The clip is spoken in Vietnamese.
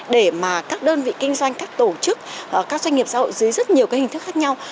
để mà các đơn vị kinh doanh các tổ chức các doanh nghiệp xã hội dưới rất nhiều cái hình thức khác nhau